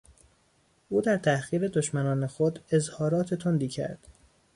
او در تحقیر دشمنان خود اظهارات تندی کرد.